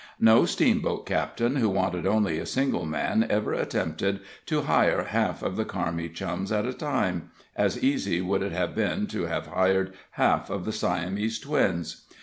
No steamboat captain who wanted only a single man ever attempted to hire half of the Carmi Chums at a time as easy would it have been to have hired half of the Siamese Twins.